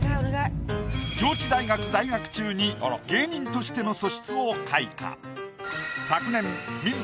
上智大学在学中に芸人としての素質を開花。